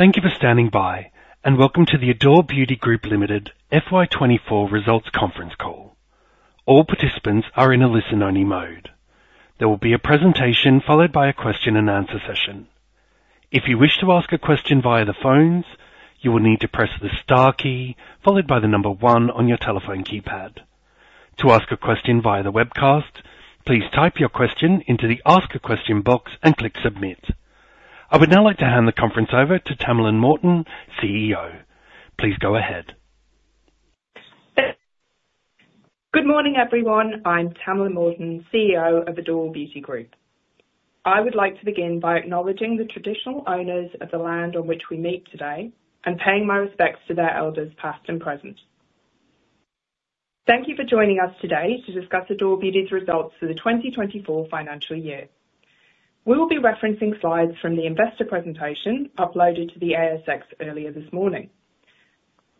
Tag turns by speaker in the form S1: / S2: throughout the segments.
S1: Thank you for standing by, and welcome to the Adore Beauty Group Limited results conference call. All participants are in a listen-only mode. There will be a presentation followed by a question and answer session. If you wish to ask a question via the phones, you will need to press the star key followed by the number one on your telephone keypad. To ask a question via the webcast, please type your question into the Ask a Question box and click Submit. I would now like to hand the conference over to Tamalin Morton, CEO. Please go ahead.
S2: Good morning, everyone. I'm Tamalin Morton, CEO of Adore Beauty Group. I would like to begin by acknowledging the traditional owners of the land on which we meet today and paying my respects to their elders, past and present. Thank you for joining us today to discuss Adore Beauty's results for the twenty twenty-four financial year. We will be referencing slides from the investor presentation uploaded to the ASX earlier this morning.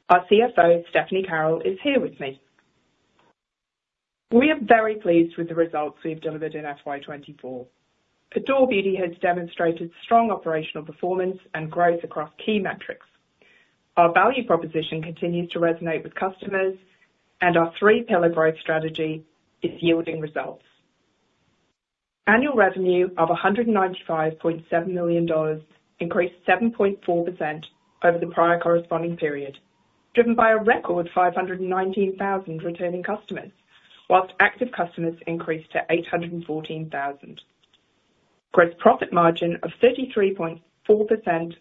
S2: Our CFO, Stephanie Carroll, is here with me. We are very pleased with the results we've delivered in FY2024. Adore Beauty has demonstrated strong operational performance and growth across key metrics. Our value proposition continues to resonate with customers, and our three-pillar growth strategy is yielding results. Annual revenue of 195.7 million dollars increased 7.4% over the prior corresponding period, driven by a record 519,000 returning customers, while active customers increased to 814,000. Gross profit margin of 33.4%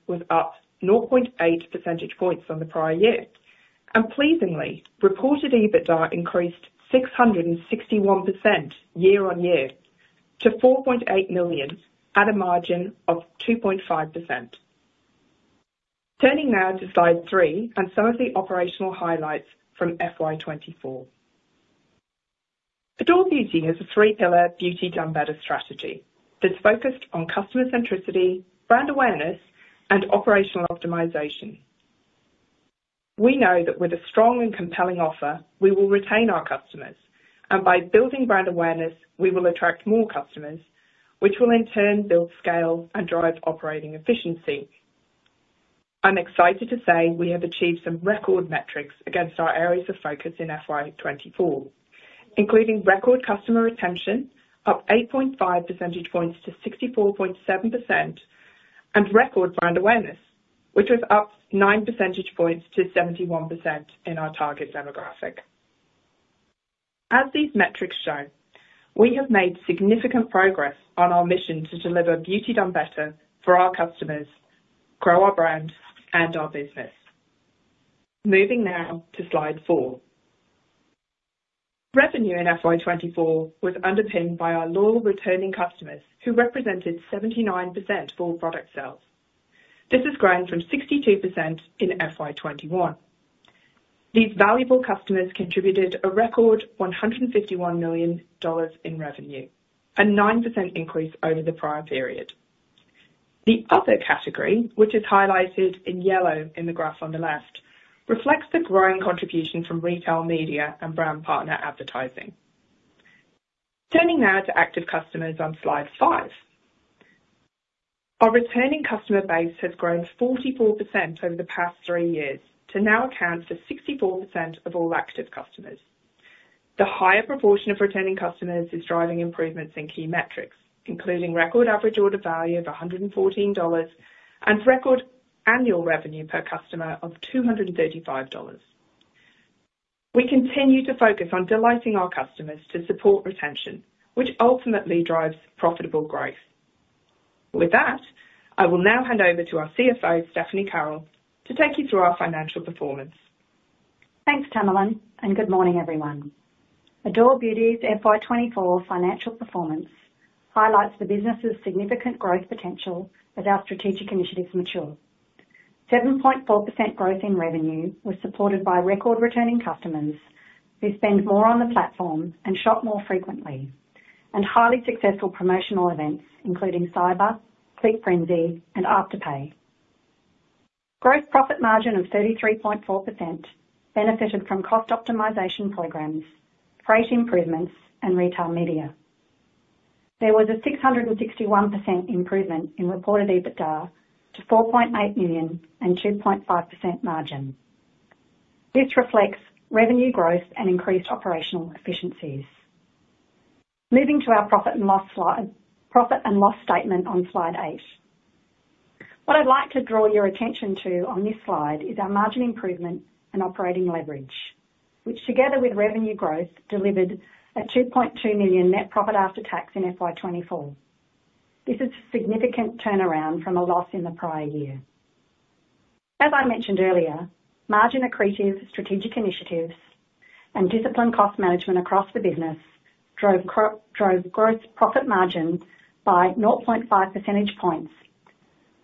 S2: was up 0.8 percentage points on the prior year, and pleasingly, reported EBITDA increased 661% year on year to 4.8 million, at a margin of 2.5%. Turning now to slide three and some of the operational highlights FY2024. Adore Beauty is a three-pillar Beauty Done Better strategy that's focused on customer centricity, brand awareness, and operational optimization. We know that with a strong and compelling offer, we will retain our customers, and by building brand awareness, we will attract more customers, which will in turn build scale and drive operating efficiency. I'm excited to say we have achieved some record metrics against our areas of focus in FY2024, including record customer retention, up 8.5 percentage points to 64.7%, and record brand awareness, which was up 9 percentage points to 71% in our target demographic. As these metrics show, we have made significant progress on our mission to deliver Beauty Done Better for our customers, grow our brand, and our business. Moving now to slide four. Revenue in FY2024 was underpinned by our loyal returning customers, who represented 79% for product sales. This has grown from 62% in FY21. These valuable customers contributed a record 151 million dollars in revenue, a 9% increase over the prior period. The other category, which is highlighted in yellow in the graph on the left, reflects the growing contribution from retail media and brand partner advertising. Turning now to active customers on slide five. Our returning customer base has grown 44% over the past three years to now account for 64% of all active customers. The higher proportion of returning customers is driving improvements in key metrics, including record average order value of 114 dollars and record annual revenue per customer of 235 dollars. We continue to focus on delighting our customers to support retention, which ultimately drives profitable growth. With that, I will now hand over to our CFO, Stephanie Carroll, to take you through our financial performance.
S3: Thanks, Tamalin, and good morning, everyone. Adore Beauty's FY2024 financial performance highlights the business's significant growth potential as our strategic initiatives mature. 7.4% growth in revenue was supported by record-returning customers who spend more on the platform and shop more frequently, and highly successful promotional events including Cyber, Click Frenzy, and Afterpay. Gross profit margin of 33.4% benefited from cost optimization programs, freight improvements, and retail media. There was a 661% improvement in reported EBITDA to 4.8 million and 2.5% margin. This reflects revenue growth and increased operational efficiencies. Moving to our profit and loss slide, profit and loss statement on slide eight. What I'd like to draw your attention to on this slide is our margin improvement and operating leverage, which, together with revenue growth, delivered a 2.2 million net profit after tax in FY2024. This is a significant turnaround from a loss in the prior year. As I mentioned earlier, margin-accretive strategic initiatives and disciplined cost management across the business drove gross profit margin by 0.5 percentage points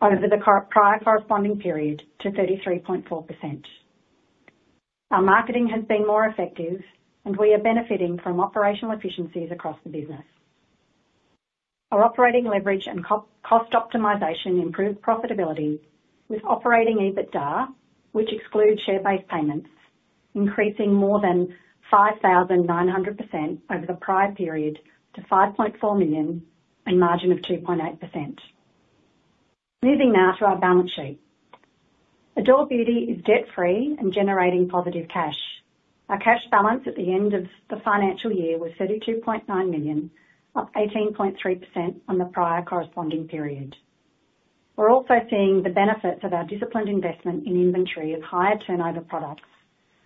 S3: over the prior corresponding period to 33.4%. Our marketing has been more effective, and we are benefiting from operational efficiencies across the business. Our operating leverage and cost optimization improved profitability with operating EBITDA, which excludes share-based payments, increasing more than 5,900% over the prior period to 5.4 million and margin of 2.8%. Moving now to our balance sheet. Adore Beauty is debt-free and generating positive cash. Our cash balance at the end of the financial year was 32.9 million, up 18.3% from the prior corresponding period. We're also seeing the benefits of our disciplined investment in inventory of higher turnover products,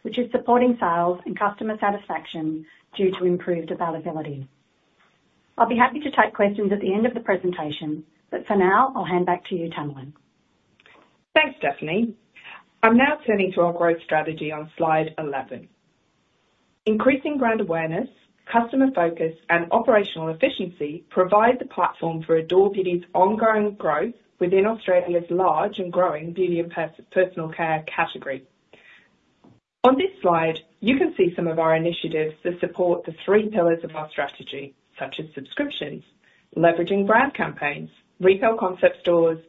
S3: which is supporting sales and customer satisfaction due to improved availability. I'll be happy to take questions at the end of the presentation, but for now, I'll hand back to you, Tamalin.
S2: Thanks, Stephanie. I'm now turning to our growth strategy on slide eleven. Increasing brand awareness, customer focus, and operational efficiency provide the platform for Adore Beauty's ongoing growth within Australia's large and growing beauty and personal care category. On this slide, you can see some of our initiatives that support the three pillars of our strategy, such as subscriptions, leveraging brand campaigns, retail concept stores,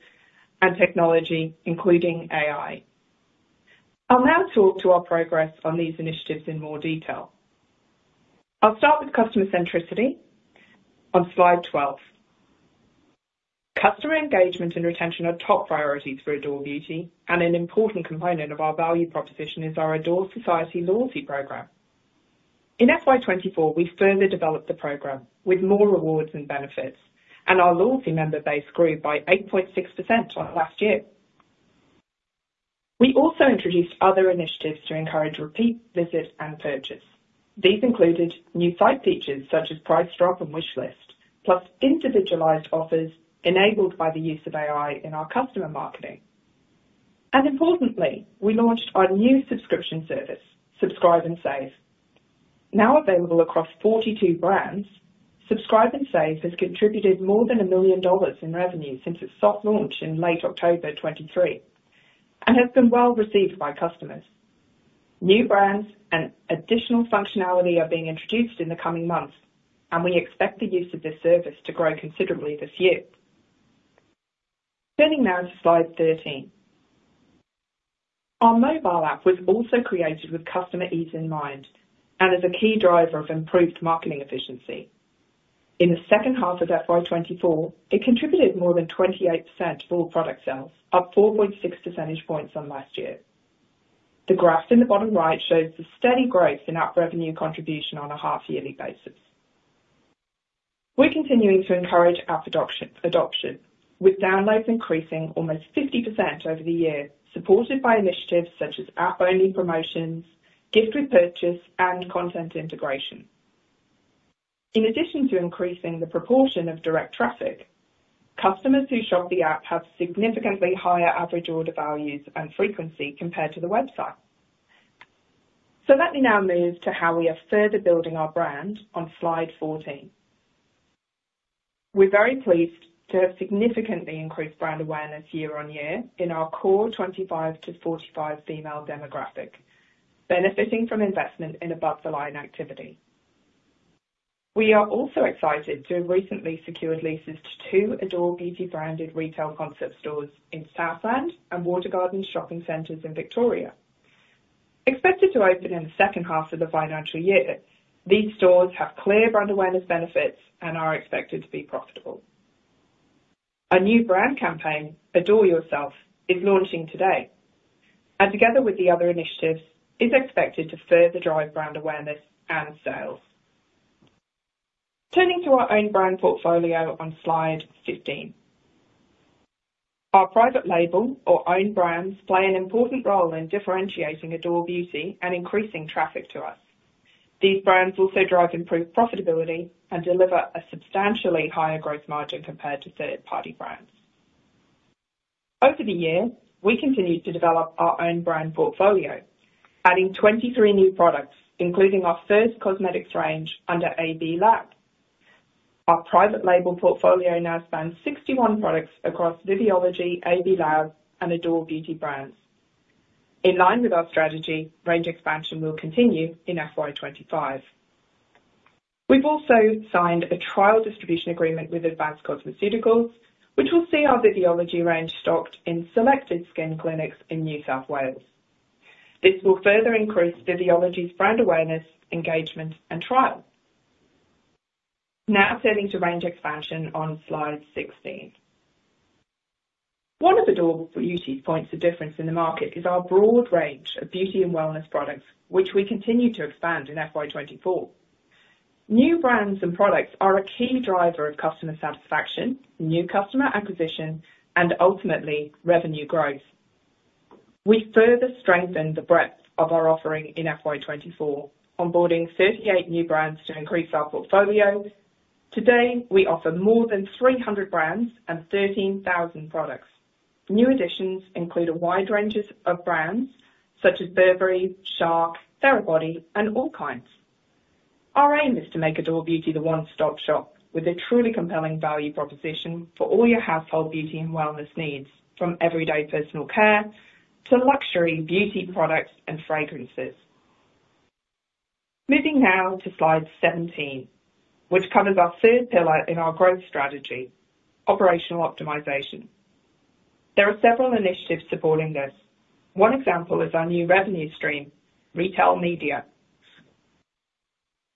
S2: and technology, including AI. I'll now talk to our progress on these initiatives in more detail. I'll start with customer centricity on slide twelve. Customer engagement and retention are top priorities for Adore Beauty, and an important component of our value proposition is our Adore Society loyalty program. In FY2024, we further developed the program with more rewards and benefits, and our loyalty member base grew by 8.6% on last year. We also introduced other initiatives to encourage repeat visits and purchase. These included new site features such as Price Drop and Wishlist, plus individualized offers enabled by the use of AI in our customer marketing. And importantly, we launched our new subscription service, Subscribe and Save. Now available across 42 brands, Subscribe and Save has contributed more than 1 million dollars in revenue since its soft launch in late October 2023 and has been well received by customers. New brands and additional functionality are being introduced in the coming months, and we expect the use of this service to grow considerably this year. Turning now to slide 13. Our mobile app was also created with customer ease in mind and is a key driver of improved marketing efficiency. In the second half of FY2024, it contributed more than 28% of all product sales, up 4.6 percentage points from last year. The graph in the bottom right shows the steady growth in app revenue contribution on a half-yearly basis. We're continuing to encourage app adoption with downloads increasing almost 50% over the year, supported by initiatives such as app-only promotions, gift with purchase, and content integration. In addition to increasing the proportion of direct traffic, customers who shop the app have significantly higher average order values and frequency compared to the website. Let me now move to how we are further building our brand on slide 14. We're very pleased to have significantly increased brand awareness year on year in our core 25-45 female demographic, benefiting from investment in above-the-line activity. We are also excited to have recently secured leases to two Adore Beauty branded retail concept stores in Southland and Watergardens shopping centers in Victoria. Expected to open in the second half of the financial year, these stores have clear brand awareness benefits and are expected to be profitable. Our new brand campaign, Adore Yourself, is launching today, and together with the other initiatives, is expected to further drive brand awareness and sales. Turning to our own brand portfolio on slide 15. Our private label or own brands play an important role in differentiating Adore Beauty and increasing traffic to us. These brands also drive improved profitability and deliver a substantially higher gross margin compared to third-party brands. Over the year, we continued to develop our own brand portfolio, adding 23 new products, including our first cosmetics range under AB Lab. Our private label portfolio now spans 61 products across Viviology, AB Lab, and Adore Beauty brands. In line with our strategy, range expansion will continue in FY25. We've also signed a trial distribution agreement with Advanced Cosmeceuticals, which will see our Viviology range stocked in selected skin clinics in New South Wales. This will further increase Viviology's brand awareness, engagement, and trial. Now turning to range expansion on slide 16. One of Adore Beauty's points of difference in the market is our broad range of beauty and wellness products, which we continue to expand in FY2024. New brands and products are a key driver of customer satisfaction, new customer acquisition, and ultimately, revenue growth. We further strengthened the breadth of our offering in FY2024, onboarding 38 new brands to increase our portfolio. Today, we offer more than 300 brands and 13,000 products. New additions include a wide range of brands such as Burberry, Shark, Therabody, and Allkinds. Our aim is to make Adore Beauty the one-stop shop with a truly compelling value proposition for all your household beauty and wellness needs, from everyday personal care to luxury beauty products and fragrances. Moving now to slide 17, which covers our third pillar in our growth strategy, operational optimization. There are several initiatives supporting this. One example is our new revenue stream, retail media.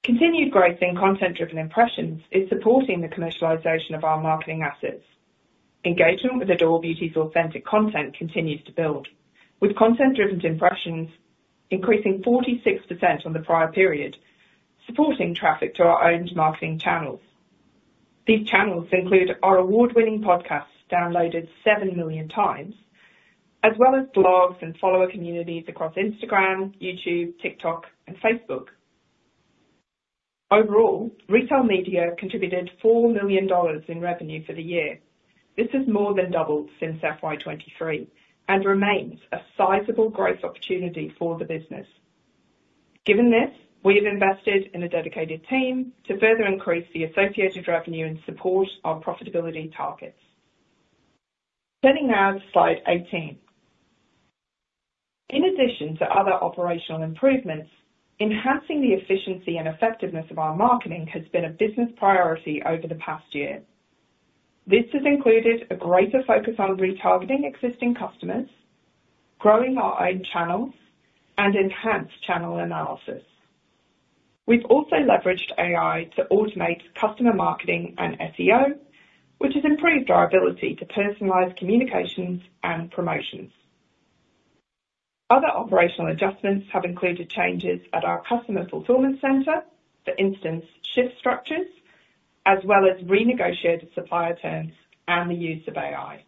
S2: Continued growth in content-driven impressions is supporting the commercialization of our marketing assets. Engagement with Adore Beauty's authentic content continues to build, with content-driven impressions increasing 46% on the prior period, supporting traffic to our owned marketing channels. These channels include our award-winning podcast, downloaded 7 million times, as well as blogs and follower communities across Instagram, YouTube, TikTok, and Facebook. Overall, retail media contributed 4 million dollars in revenue for the year. This has more than doubled since FY 2023 and remains a sizable growth opportunity for the business. Given this, we have invested in a dedicated team to further increase the associated revenue and support our profitability targets. Turning now to slide 18. In addition to other operational improvements, enhancing the efficiency and effectiveness of our marketing has been a business priority over the past year. This has included a greater focus on retargeting existing customers, growing our own channels, and enhanced channel analysis. We've also leveraged AI to automate customer marketing and SEO, which has improved our ability to personalize communications and promotions. Other operational adjustments have included changes at our customer fulfillment center, for instance, shift structures, as well as renegotiated supplier terms and the use of AI.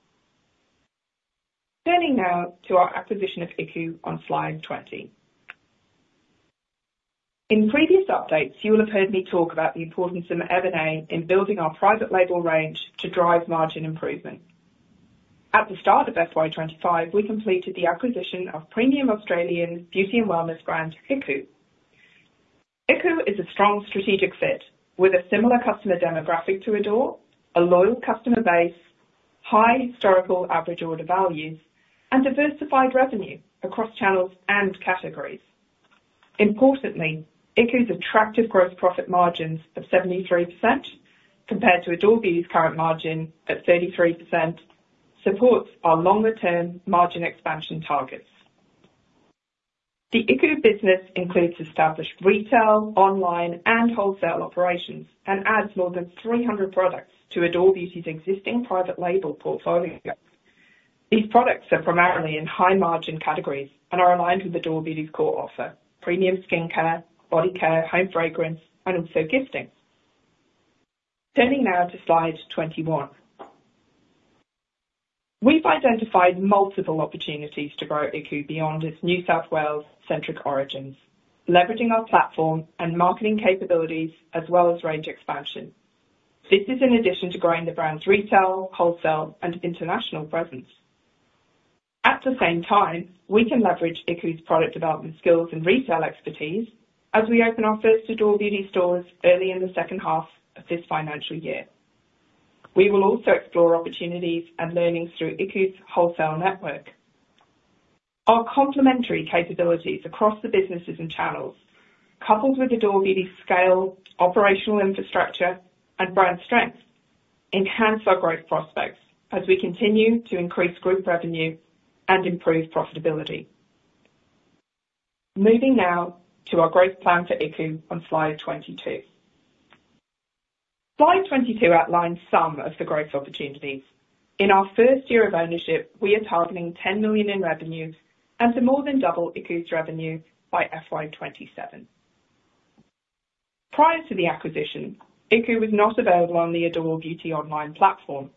S2: Turning now to our acquisition of iKOU on slide 20. In previous updates, you will have heard me talk about the importance of iKOU in building our private label range to drive margin improvement. At the start of FY 2025, we completed the acquisition of premium Australian beauty and wellness brand, iKOU. iKOU is a strong strategic fit with a similar customer demographic to Adore, a loyal customer base, high historical average order values, and diversified revenue across channels and categories. Importantly, iKOU's attractive gross profit margins of 73% compared to Adore Beauty's current margin at 33%, supports our longer-term margin expansion targets. The iKOU business includes established retail, online, and wholesale operations, and adds more than 300 products to Adore Beauty's existing private label portfolio. These products are primarily in high-margin categories and are aligned with Adore Beauty's core offer: premium skincare, body care, home fragrance, and also gifting. Turning now to slide twenty-one. We've identified multiple opportunities to grow iKOU beyond its New South Wales-centric origins, leveraging our platform and marketing capabilities as well as range expansion. This is in addition to growing the brand's retail, wholesale, and international presence. At the same time, we can leverage iKOU's product development skills and retail expertise as we open our first Adore Beauty stores early in the second half of this financial year. We will also explore opportunities and learnings through iKOU's wholesale network. Our complementary capabilities across the businesses and channels, coupled with Adore Beauty's scale, operational infrastructure, and brand strength, enhance our growth prospects as we continue to increase group revenue and improve profitability. Moving now to our growth plan for iKOU on slide twenty-two. Slide twenty-two outlines some of the growth opportunities. In our first year of ownership, we are targeting 10 million in revenue and to more than double iKOU's revenue by FY twenty-seven. Prior to the acquisition, iKOU was not available on the Adore Beauty online platform.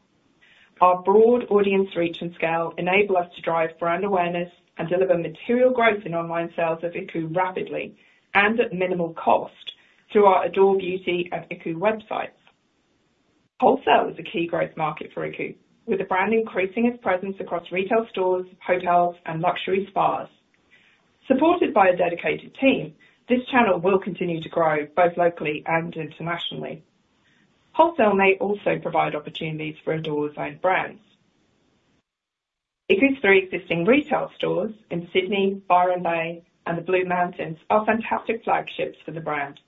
S2: Our broad audience reach and scale enable us to drive brand awareness and deliver material growth in online sales of iKOU rapidly and at minimal cost through our Adore Beauty and iKOU websites. Wholesale is a key growth market for iKOU, with the brand increasing its presence across retail stores, hotels, and luxury spas. Supported by a dedicated team, this channel will continue to grow both locally and internationally. Wholesale may also provide opportunities for Adore's own brands. iKOU's three existing retail stores in Sydney, Byron Bay, and the Blue Mountains are fantastic flagships for the brand.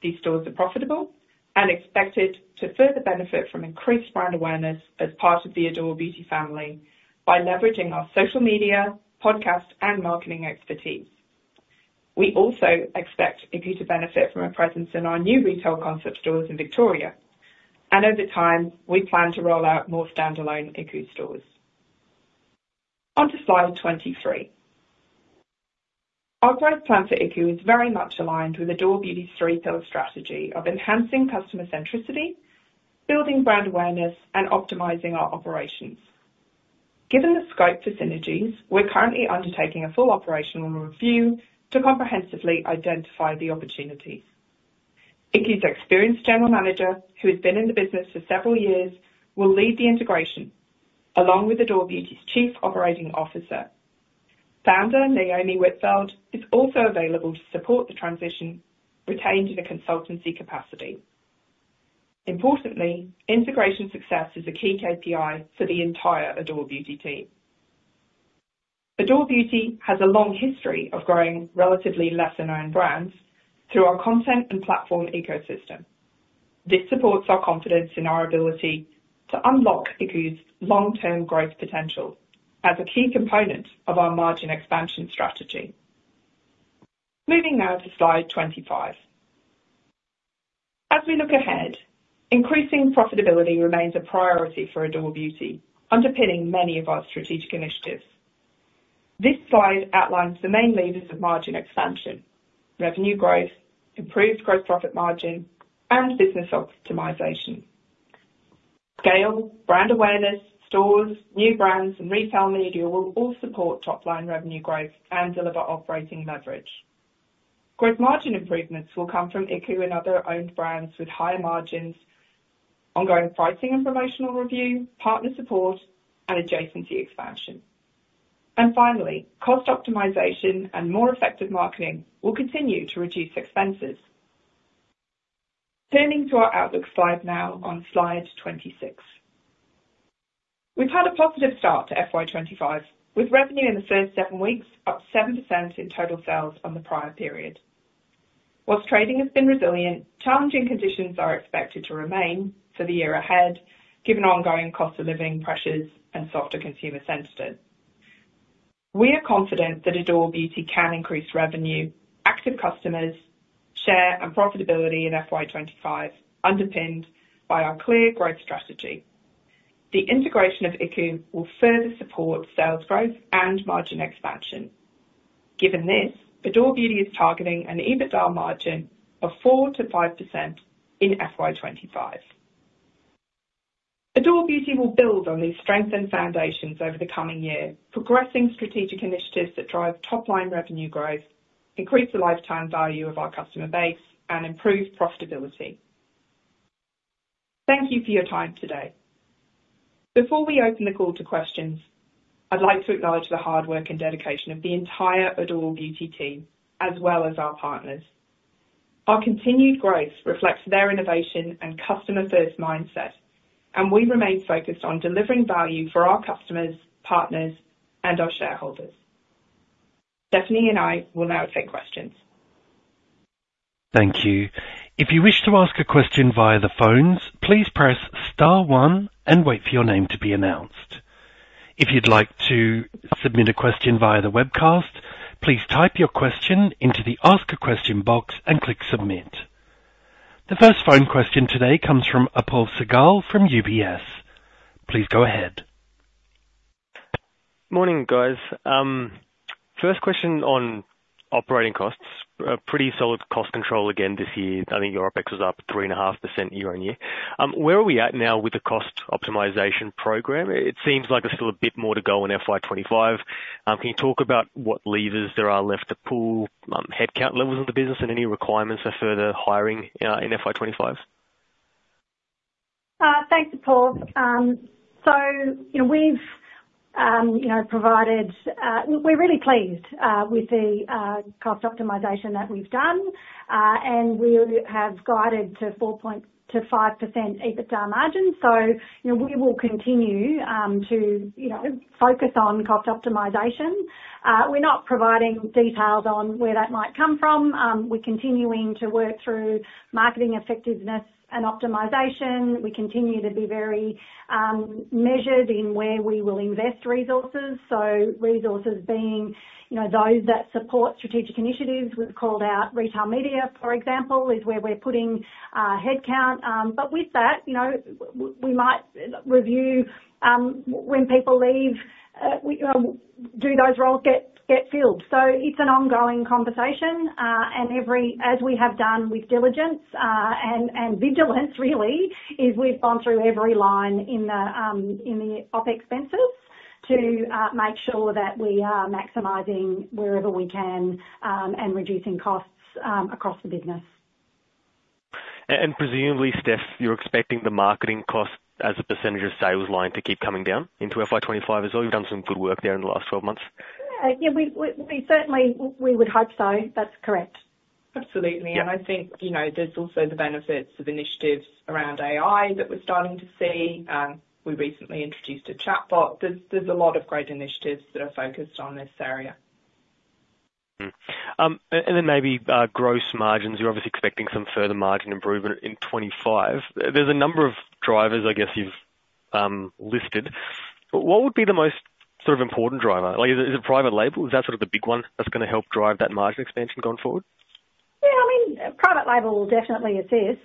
S2: These stores are profitable and expected to further benefit from increased brand awareness as part of the Adore Beauty family by leveraging our social media, podcast, and marketing expertise. We also expect iKOU to benefit from a presence in our new retail concept stores in Victoria, and over time, we plan to roll out more standalone iKOU stores. Onto slide twenty-three. Our growth plan for iKOU is very much aligned with Adore Beauty's three-pillar strategy of enhancing customer centricity, building brand awareness, and optimizing our operations. Given the scope for synergies, we're currently undertaking a full operational review to comprehensively identify the opportunities. iKOU's experienced general manager, who has been in the business for several years, will lead the integration, along with Adore Beauty's Chief Operating Officer. Founder, Naomi Whitfeld, is also available to support the transition, retained in a consultancy capacity. Importantly, integration success is a key KPI for the entire Adore Beauty team. Adore Beauty has a long history of growing relatively lesser-known brands through our content and platform ecosystem. This supports our confidence in our ability to unlock iKOU's long-term growth potential as a key component of our margin expansion strategy. Moving now to slide twenty-five. As we look ahead, increasing profitability remains a priority for Adore Beauty, underpinning many of our strategic initiatives. This slide outlines the main levers of margin expansion, revenue growth, improved gross profit margin, and business optimization. Scale, brand awareness, stores, new brands, and retail media will all support top line revenue growth and deliver operating leverage. Gross margin improvements will come from iKOU and other owned brands with higher margins, ongoing pricing and promotional review, partner support, and adjacency expansion. And finally, cost optimization and more effective marketing will continue to reduce expenses. Turning to our outlook slide now on slide 26. We've had a positive start to FY2025, with revenue in the first seven weeks up 7% in total sales from the prior period. While trading has been resilient, challenging conditions are expected to remain for the year ahead, given ongoing cost of living pressures and softer consumer sentiment. We are confident that Adore Beauty can increase revenue, active customers, share, and profitability in FY2025, underpinned by our clear growth strategy. The integration of iKOU will further support sales growth and margin expansion. Given this, Adore Beauty is targeting an EBITDA margin of 4%-5% in FY2025. Adore Beauty will build on these strengthened foundations over the coming year, progressing strategic initiatives that drive top-line revenue growth, increase the lifetime value of our customer base, and improve profitability. Thank you for your time today. Before we open the call to questions, I'd like to acknowledge the hard work and dedication of the entire Adore Beauty team, as well as our partners. Our continued growth reflects their innovation and customer-first mindset, and we remain focused on delivering value for our customers, partners, and our shareholders. Stephanie and I will now take questions.
S1: Thank you. If you wish to ask a question via the phones, please press star one and wait for your name to be announced. If you'd like to submit a question via the webcast, please type your question into the Ask a Question box and click Submit. The first phone question today comes from Apoorv Sehgal from UBS. Please go ahead.
S4: Morning, guys. First question on operating costs. A pretty solid cost control again this year. I think your OpEx was up 3.5% year-on-year. Where are we at now with the cost optimization program? It seems like there's still a bit more to go on FY2025. Can you talk about what levers there are left to pull, headcount levels of the business and any requirements for further hiring, in FY2025?
S3: Thanks, Apoorv. So you know, we've you know, provided. We're really pleased with the cost optimization that we've done. We have guided to 4.2-5% EBITDA margin. You know, we will continue to you know, focus on cost optimization. We're not providing details on where that might come from. We're continuing to work through marketing effectiveness and optimization. We continue to be very measured in where we will invest resources. Resources being you know, those that support strategic initiatives. We've called out retail media, for example, is where we're putting headcount. But with that, you know, we might review when people leave, we do those roles get filled? It's an ongoing conversation. And every, as we have done with diligence and vigilance really, is we've gone through every line in the OpEx expenses to make sure that we are maximizing wherever we can and reducing costs across the business.
S4: Presumably, Steph, you're expecting the marketing cost as a percentage of sales line to keep coming down into FY25 as well? You've done some good work there in the last 12 months.
S3: Yeah, we certainly would hope so. That's correct.
S2: Absolutely.
S4: Yeah.
S2: I think, you know, there's also the benefits of initiatives around AI that we're starting to see. We recently introduced a chatbot. There's a lot of great initiatives that are focused on this area.
S4: Then maybe gross margins. You're obviously expecting some further margin improvement in twenty-five. There's a number of drivers I guess you've listed, but what would be the most sort of important driver? Like, is it, is it private label? Is that sort of the big one that's gonna help drive that margin expansion going forward?
S3: Yeah, I mean, private label will definitely assist,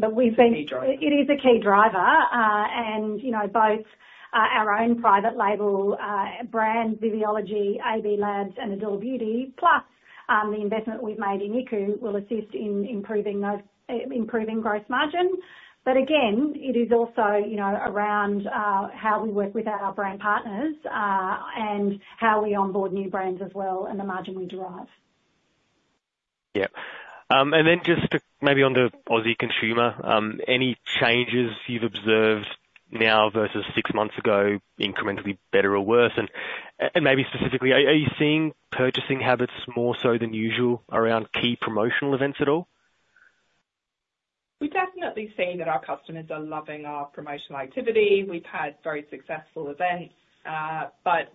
S3: but we've been-
S4: A key driver.
S3: It is a key driver, and you know, both our own private label brand, Viviology, AB Lab and Adore Beauty, plus the investment we've made in iKOU, will assist in improving those gross margin, but again, it is also, you know, around how we work with our brand partners and how we onboard new brands as well and the margin we derive.
S4: Yeah. And then just maybe on the Aussie consumer, any changes you've observed now versus six months ago, incrementally better or worse? And maybe specifically, are you seeing purchasing habits more so than usual around key promotional events at all? ...
S2: We've definitely seen that our customers are loving our promotional activity. We've had very successful events, but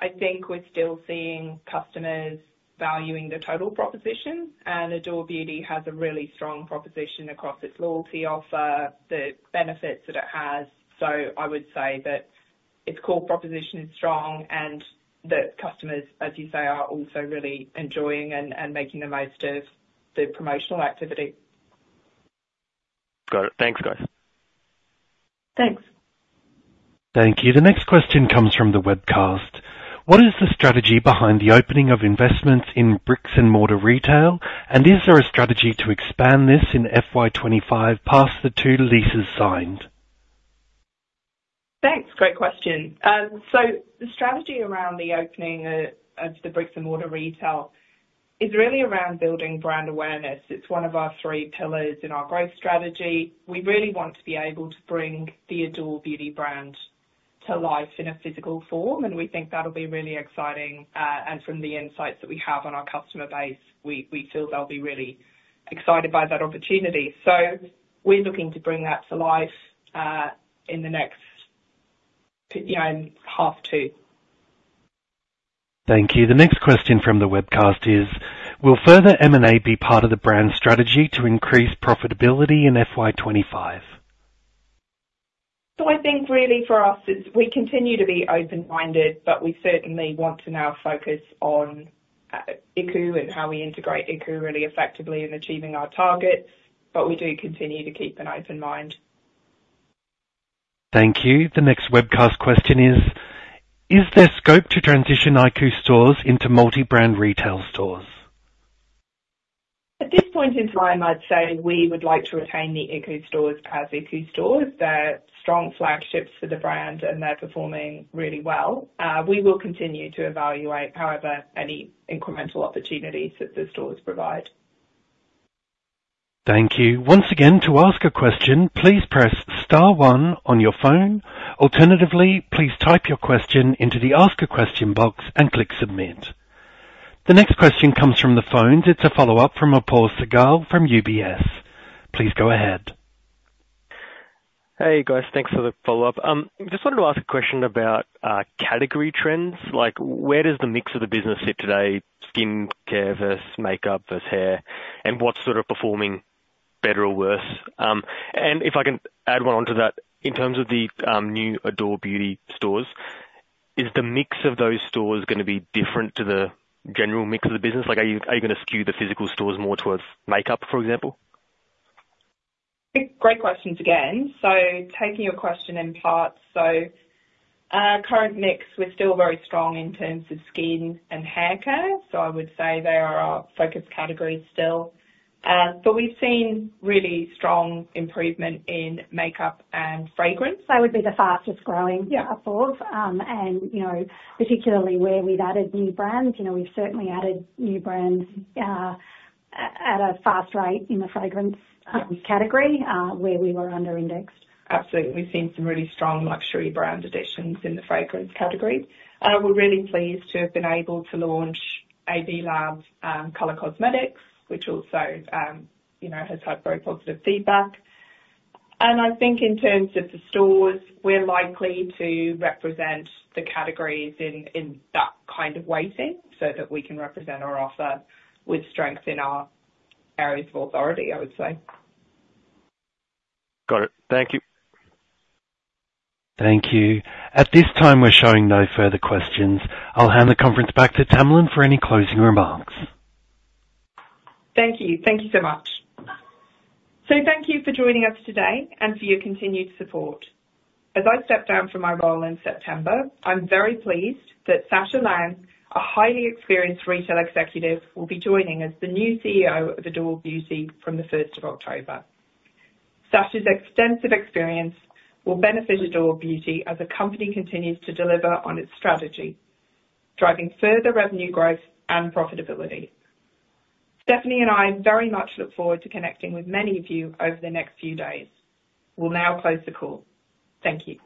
S2: I think we're still seeing customers valuing the total proposition, and Adore Beauty has a really strong proposition across its loyalty offer, the benefits that it has. So I would say that its core proposition is strong, and that customers, as you say, are also really enjoying and making the most of the promotional activity.
S4: Got it. Thanks, guys.
S3: Thanks.
S1: Thank you. The next question comes from the webcast: What is the strategy behind the opening of investments in bricks-and-mortar retail? And is there a strategy to expand this in FY25 past the two leases signed?
S2: Thanks. Great question. So the strategy around the opening of the bricks-and-mortar retail is really around building brand awareness. It's one of our three pillars in our growth strategy. We really want to be able to bring the Adore Beauty brand to life in a physical form, and we think that'll be really exciting. And from the insights that we have on our customer base, we feel they'll be really excited by that opportunity. So we're looking to bring that to life, in the next, you know, half two.
S1: Thank you. The next question from the webcast is: Will further M&A be part of the brand strategy to increase profitability in FY 2025?
S2: So I think really for us, it's we continue to be open-minded, but we certainly want to now focus on iKOU and how we integrate iKOU really effectively in achieving our targets, but we do continue to keep an open mind.
S1: Thank you. The next webcast question is: Is there scope to transition iKOU stores into multi-brand retail stores?
S2: At this point in time, I'd say we would like to retain the iKOU stores as iKOU stores. They're strong flagships for the brand, and they're performing really well. We will continue to evaluate, however, any incremental opportunities that the stores provide.
S1: Thank you. Once again, to ask a question, please press star one on your phone. Alternatively, please type your question into the Ask a Question box and click Submit. The next question comes from the phone. It's a follow-up from Apoorv Sehgal from UBS. Please go ahead.
S4: Hey, guys. Thanks for the follow-up. Just wanted to ask a question about category trends. Like, where does the mix of the business sit today, skincare versus makeup versus hair? And what's sort of performing better or worse? And if I can add one onto that, in terms of the new Adore Beauty stores, is the mix of those stores gonna be different to the general mix of the business? Like, are you gonna skew the physical stores more towards makeup, for example?
S2: Great questions again. So taking your question in parts, so our current mix, we're still very strong in terms of skin and haircare, so I would say they are our focus categories still. But we've seen really strong improvement in makeup and fragrance.
S3: They would be the fastest growing.
S2: Yeah.
S3: And you know, particularly where we've added new brands. You know, we've certainly added new brands at a fast rate in the fragrance category, where we were under indexed.
S2: Absolutely. We've seen some really strong luxury brand additions in the fragrance category, and we're really pleased to have been able to launch AB Lab's Color Cosmetics, which also, you know, has had very positive feedback. And I think in terms of the stores, we're likely to represent the categories in that kind of weighting so that we can represent our offer with strength in our areas of authority, I would say.
S4: Got it. Thank you.
S1: Thank you. At this time, we're showing no further questions. I'll hand the conference back to Tamalin for any closing remarks.
S2: Thank you. Thank you so much, so thank you for joining us today and for your continued support. As I step down from my role in September, I'm very pleased that Sacha Laing, a highly experienced retail executive, will be joining as the new CEO of Adore Beauty from the first of October. Sacha's extensive experience will benefit Adore Beauty as the company continues to deliver on its strategy, driving further revenue growth and profitability. Stephanie and I very much look forward to connecting with many of you over the next few days. We'll now close the call. Thank you.